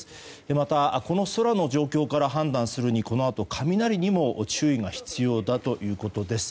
また、この空の状況から判断するにこのあと雷にも注意が必要だということです。